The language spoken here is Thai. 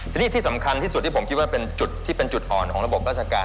ทีนี้ที่สำคัญที่สุดที่ผมคิดว่าเป็นจุดที่เป็นจุดอ่อนของระบบราชการ